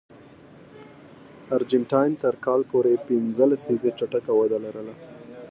ارجنټاین تر کال پورې پنځه لسیزې چټکه وده لرله.